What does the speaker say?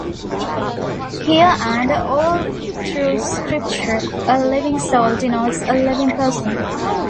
Here and "all through Scripture" a "living soul" denotes a "living person".